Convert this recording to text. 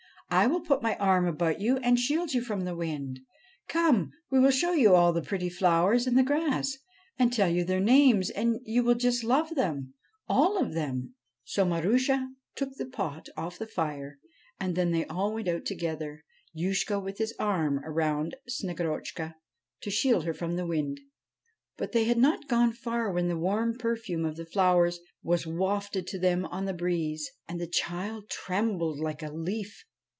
' I will put my arm about you and shield you from the wind. Come, we will show you all the pretty flowers in the grass, and tell you their names, and you will just love them, all of them.' 5 SNEGOROTCHKA So Marusha took the pot off the fire and then they all went out together, Youshko with his arm round Snegorotchka to shield her from the wind. But they had not gone far when the warm perfume of the flowers was wafted to them on the breeze, and the child trembled like a leaf.